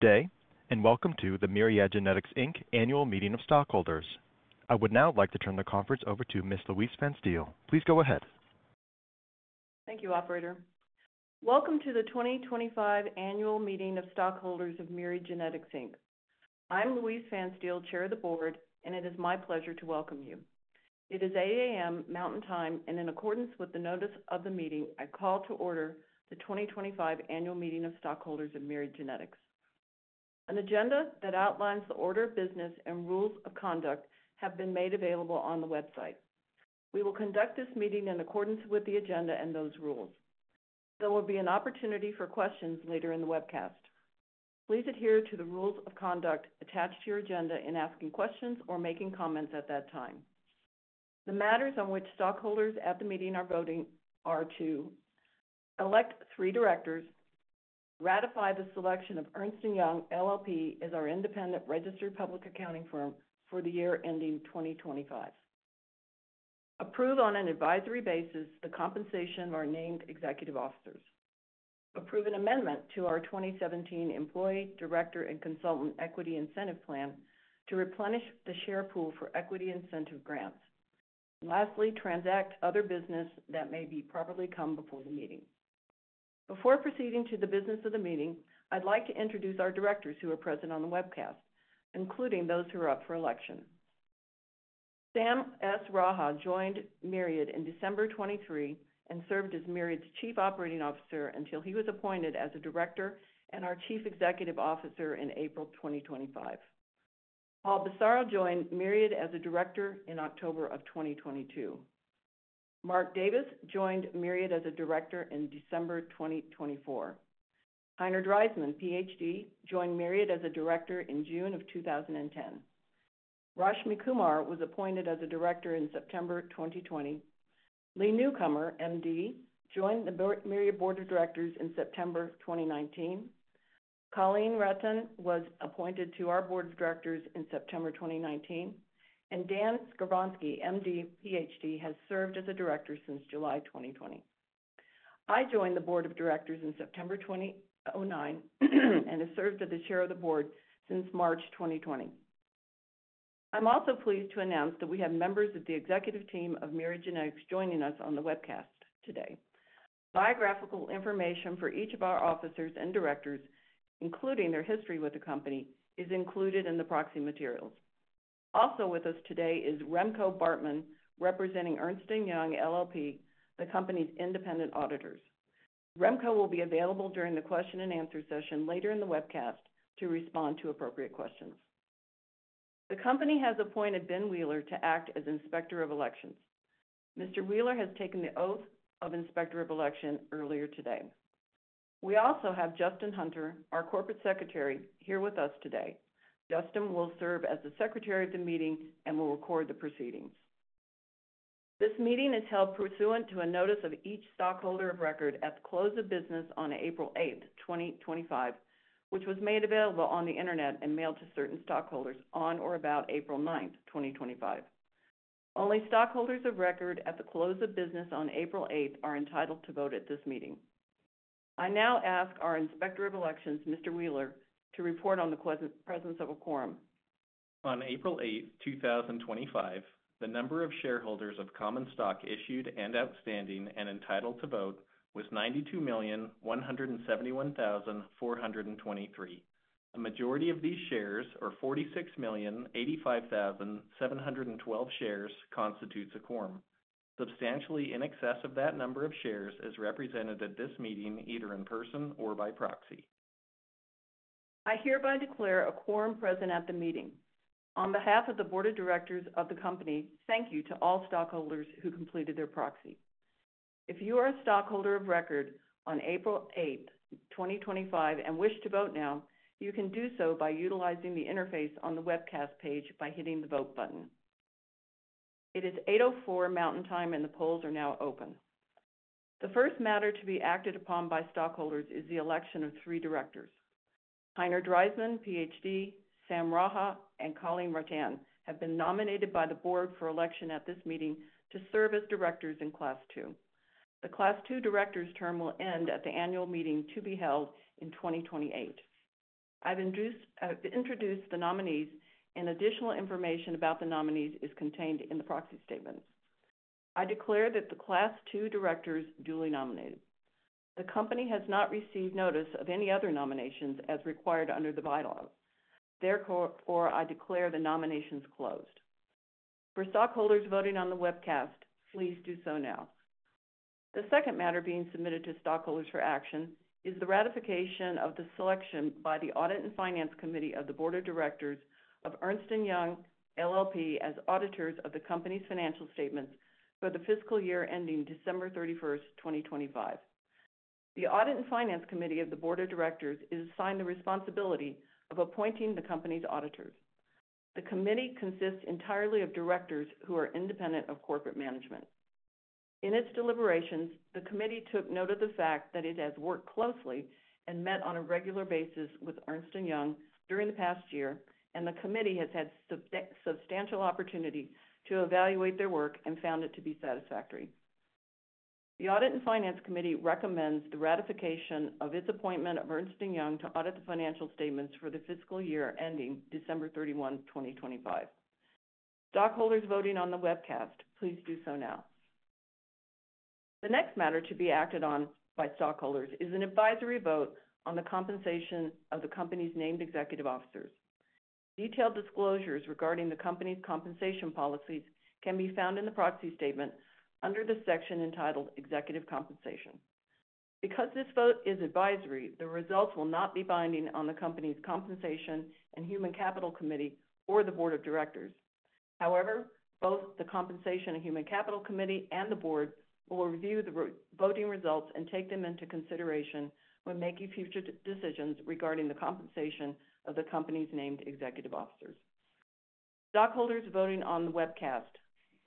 Today, and welcome to the Myriad Genetics annual meeting of stockholders. I would now like to turn the conference over to Ms. Louise Phanstiel. Please go ahead. Thank you, Operator. Welcome to the 2025 annual meeting of stockholders of Myriad Genetics. I'm Louise Phanstiel, Chair of the Board, and it is my pleasure to welcome you. It is 8:00 A.M. Mountain Time, and in accordance with the notice of the meeting, I call to order the 2025 annual meeting of stockholders of Myriad Genetics. An agenda that outlines the order of business and rules of conduct have been made available on the website. We will conduct this meeting in accordance with the agenda and those rules. There will be an opportunity for questions later in the webcast. Please adhere to the rules of conduct attached to your agenda in asking questions or making comments at that time. The matters on which stockholders at the meeting are voting are to: elect three directors, ratify the selection of Ernst & Young LLP as our independent registered public accounting firm for the year ending 2025, approve on an advisory basis the compensation of our named executive officers, approve an amendment to our 2017 Employee, Director, and Consultant Equity Incentive Plan to replenish the share pool for equity incentive grants, and lastly, transact other business that may properly come before the meeting. Before proceeding to the business of the meeting, I'd like to introduce our directors who are present on the webcast, including those who are up for election. Sam Raha joined Myriad in December 2023 and served as Myriad's Chief Operating Officer until he was appointed as a director and our Chief Executive Officer in April 2025. Paul Bissaro joined Myriad as a director in October of 2022. Mark Davis joined Myriad as a director in December 2024. Heinrich Reisman, Ph.D., joined Myriad as a director in June of 2010. Rashmi Kumar was appointed as a director in September 2020. Lee Newcomer, M.D., joined the Myriad Board of Directors in September 2019. Colleen Ratten was appointed to our Board of Directors in September 2019. Dan Skarvonski, M.D., Ph.D., has served as a director since July 2020. I joined the Board of Directors in September 2009 and have served as the Chair of the Board since March 2020. I'm also pleased to announce that we have members of the executive team of Myriad Genetics joining us on the webcast today. Biographical information for each of our officers and directors, including their history with the company, is included in the proxy materials. Also with us today is Remco Bartman, representing Ernst & Young LLP, the company's independent auditors. Remco will be available during the question and answer session later in the webcast to respond to appropriate questions. The company has appointed Ben Wheeler to act as Inspector of Elections. Mr. Wheeler has taken the oath of Inspector of Elections earlier today. We also have Justin Hunter, our Corporate Secretary, here with us today. Justin will serve as the Secretary of the meeting and will record the proceedings. This meeting is held pursuant to a notice of each stockholder of record at the close of business on April 8, 2025, which was made available on the internet and mailed to certain stockholders on or about April 9, 2025. Only stockholders of record at the close of business on April 8 are entitled to vote at this meeting. I now ask our Inspector of Elections, Mr. Wheeler, to report on the presence of a quorum. On April 8th, 2025, the number of shareholders of common stock issued and outstanding and entitled to vote was 92,171,423. A majority of these shares, or 46,085,712 shares, constitutes a quorum. Substantially in excess of that number of shares is represented at this meeting either in person or by proxy. I hereby declare a quorum present at the meeting. On behalf of the Board of Directors of the company, thank you to all stockholders who completed their proxy. If you are a stockholder of record on April 8, 2025, and wish to vote now, you can do so by utilizing the interface on the webcast page by hitting the vote button. It is 8:04 A.M. Mountain Time and the polls are now open. The first matter to be acted upon by stockholders is the election of three directors. Heinrich Reisman, Ph.D., Sam Raha, and Colleen F. Ratten have been nominated by the Board for election at this meeting to serve as directors in Class two. The Class two directors' term will end at the annual meeting to be held in 2028. I've introduced the nominees, and additional information about the nominees is contained in the proxy statements. I declare that the Class 2 directors duly nominated. The company has not received notice of any other nominations as required under the bylaws. Therefore, I declare the nominations closed. For stockholders voting on the webcast, please do so now. The second matter being submitted to stockholders for action is the ratification of the selection by the Audit and Finance Committee of the Board of Directors of Ernst & Young LLP as auditors of the company's financial statements for the fiscal year ending December 31, 2025. The Audit and Finance Committee of the Board of Directors is assigned the responsibility of appointing the company's auditors. The committee consists entirely of directors who are independent of corporate management. In its deliberations, the committee took note of the fact that it has worked closely and met on a regular basis with Ernst & Young during the past year, and the committee has had substantial opportunity to evaluate their work and found it to be satisfactory. The Audit and Finance Committee recommends the ratification of its appointment of Ernst & Young to audit the financial statements for the fiscal year ending December 31, 2025. Stockholders voting on the webcast, please do so now. The next matter to be acted on by stockholders is an advisory vote on the compensation of the company's named executive officers. Detailed disclosures regarding the company's compensation policies can be found in the proxy statement under the section entitled Executive Compensation. Because this vote is advisory, the results will not be binding on the company's Compensation and Human Capital Committee or the Board of Directors. However, both the Compensation and Human Capital Committee and the Board will review the voting results and take them into consideration when making future decisions regarding the compensation of the company's named executive officers. Stockholders voting on the webcast,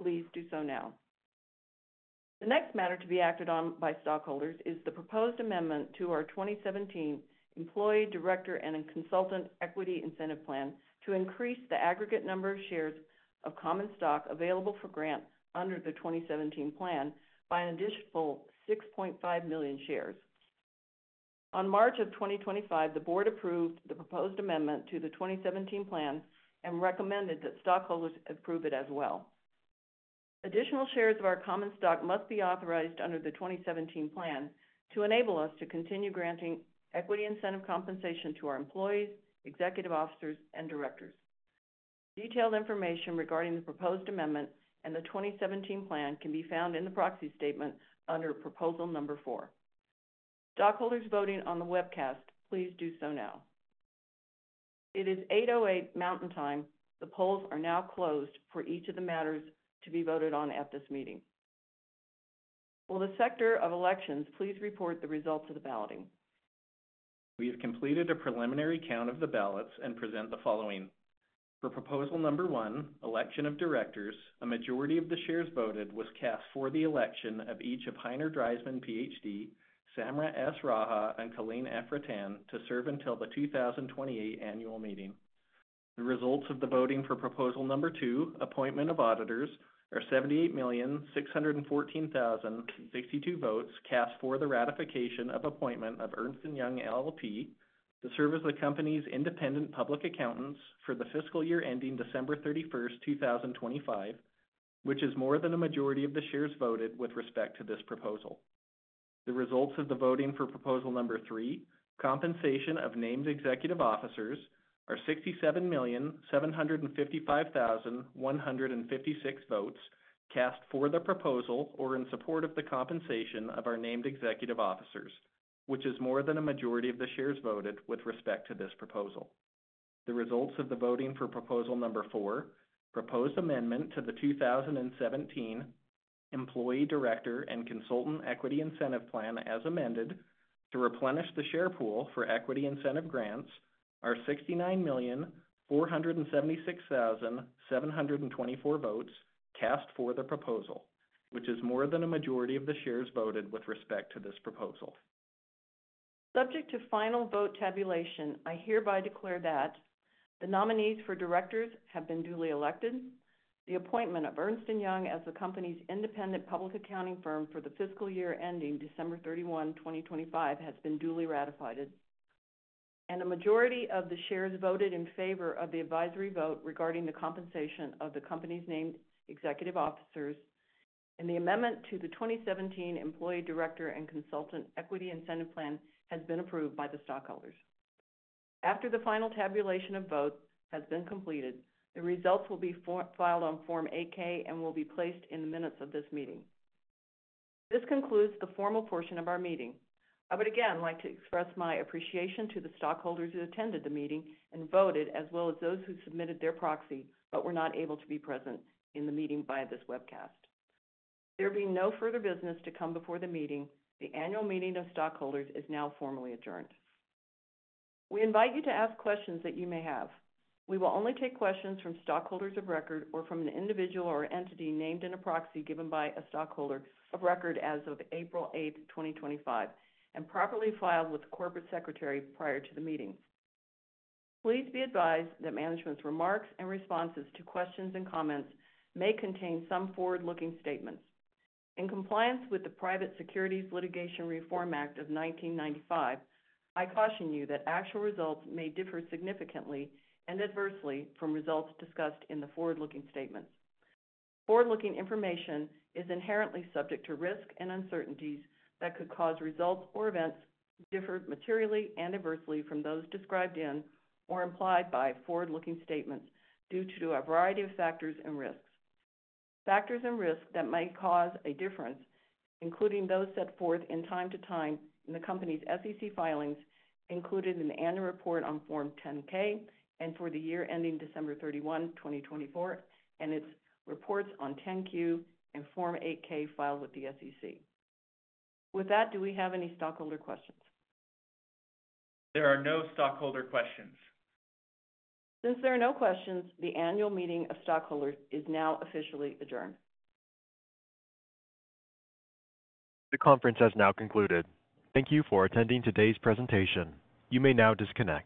please do so now. The next matter to be acted on by stockholders is the proposed amendment to our 2017 Employee, Director, and Consultant Equity Incentive Plan to increase the aggregate number of shares of common stock available for grant under the 2017 plan by an additional 6.5 million shares. On March of 2025, the Board approved the proposed amendment to the 2017 plan and recommended that stockholders approve it as well. Additional shares of our common stock must be authorized under the 2017 plan to enable us to continue granting equity incentive compensation to our employees, executive officers, and directors. Detailed information regarding the proposed amendment and the 2017 plan can be found in the proxy statement under Proposal Number four. Stockholders voting on the webcast, please do so now. It is 8:08 A.M. Mountain Time. The polls are now closed for each of the matters to be voted on at this meeting. For the Inspector of Elections, please report the results of the balloting. We have completed a preliminary count of the ballots and present the following. For Proposal Number one, election of directors, a majority of the shares voted was cast for the election of each of Heinrich Reisman, Ph.D., Samraat Raha, and Colleen F. Ratten to serve until the 2028 annual meeting. The results of the voting for Proposal Number two, appointment of auditors, are 78,614,062 votes cast for the ratification of appointment of Ernst & Young LLP to serve as the company's independent public accountants for the fiscal year ending December 31, 2025, which is more than a majority of the shares voted with respect to this proposal. The results of the voting for Proposal Number three, compensation of named executive officers, are 67,755,156 votes cast for the proposal or in support of the compensation of our named executive officers, which is more than a majority of the shares voted with respect to this proposal. The results of the voting for Proposal Number four, proposed amendment to the 2017 Employee, Director, and Consultant Equity Incentive Plan as amended to replenish the share pool for equity incentive grants, are 69,476,724 votes cast for the proposal, which is more than a majority of the shares voted with respect to this proposal. Subject to final vote tabulation, I hereby declare that the nominees for directors have been duly elected. The appointment of Ernst & Young as the company's independent public accounting firm for the fiscal year ending December 31, 2025, has been duly ratified. A majority of the shares voted in favor of the advisory vote regarding the compensation of the company's named executive officers, and the amendment to the 2017 Employee, Director, and Consultant Equity Incentive Plan has been approved by the stockholders. After the final tabulation of votes has been completed, the results will be filed on Form eight-K and will be placed in the minutes of this meeting. This concludes the formal portion of our meeting. I would again like to express my appreciation to the stockholders who attended the meeting and voted, as well as those who submitted their proxy but were not able to be present in the meeting via this webcast. There being no further business to come before the meeting, the annual meeting of stockholders is now formally adjourned. We invite you to ask questions that you may have. We will only take questions from stockholders of record or from an individual or entity named in a proxy given by a stockholder of record as of April 8, 2025, and properly filed with the Corporate Secretary prior to the meeting. Please be advised that management's remarks and responses to questions and comments may contain some forward-looking statements. In compliance with the Private Securities Litigation Reform Act of 1995, I caution you that actual results may differ significantly and adversely from results discussed in the forward-looking statements. Forward-looking information is inherently subject to risk and uncertainties that could cause results or events to differ materially and adversely from those described in or implied by forward-looking statements due to a variety of factors and risks. Factors and risks that may cause a difference, including those set forth from time to time in the company's SEC filings included in the annual report on Form 10-K for the year ending December 31, 2024, and its reports on Form 10-Q and Form eight-K filed with the SEC. With that, do we have any stockholder questions? There are no stockholder questions. Since there are no questions, the annual meeting of stockholders is now officially adjourned. The conference has now concluded. Thank you for attending today's presentation. You may now disconnect.